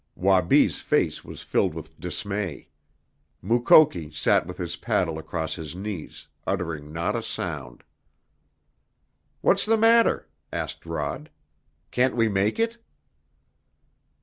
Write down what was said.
Wabi's face was filled with dismay. Mukoki sat with his paddle across his knees, uttering not a sound. "What's the matter?" asked Rod. "Can't we make it?"